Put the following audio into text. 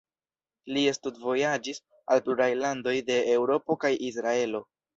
Li studvojaĝis al pluraj landoj de Eŭropo kaj Israelo.